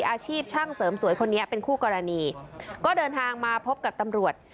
อาชีพช่างเสริมสวยคนนี้เป็นคู่กรณีก็เดินทางมาพบกับตำรวจ